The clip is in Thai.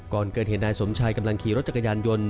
ก่อนเกิดเหตุนายสมชายกำลังขี่รถจักรยานยนต์